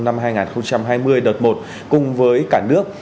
năm hai nghìn hai mươi đợt một cùng với cả nước